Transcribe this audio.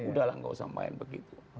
udahlah gak usah main begitu